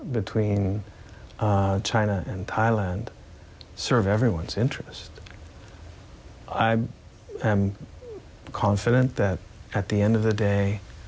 และจะต้องการจัดการทางหน้าที่มันไม่มีความสงสัย